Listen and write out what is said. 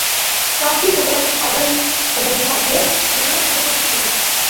রাষ্ট্রীয় কোষাগার থেকে সাধারণের কল্যাণের স্বার্থে রেলওয়ের জন্য ভর্তুকি গুনতে হয়।